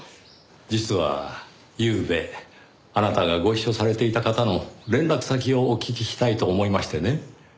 実はゆうべあなたがご一緒されていた方の連絡先をお聞きしたいと思いましてね。